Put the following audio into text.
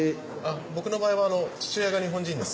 僕の場合は父親が日本人です。